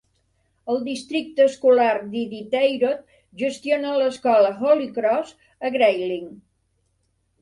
El districte escolar d'Iditarod gestiona l'escola Holy Cross, a Grayling.